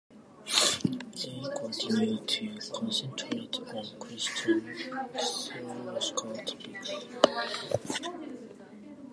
They continue to concentrate on Christian theological topics.